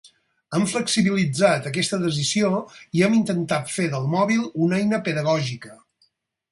Hem flexibilitzat aquesta decisió i hem intentat fer del mòbil una eina pedagògica.